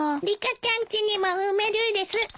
リカちゃんちにも埋めるです。